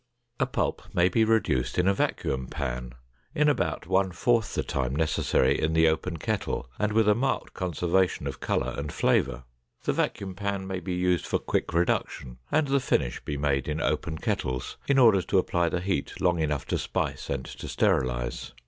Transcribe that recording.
A pulp may be reduced in a vacuum pan in about one fourth the time necessary in the open kettle and with a marked conservation of color and flavor. The vacuum pan may be used for quick reduction and the finish be made in open kettles in order to apply the heat long enough to spice and to sterilize.